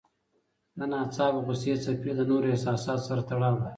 د ناڅاپه غوسې څپې د نورو احساساتو سره تړاو لري.